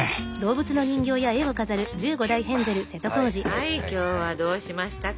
はい今日はどうしましたか？